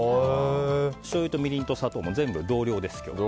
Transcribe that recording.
しょうゆとみりんと砂糖全部同量です。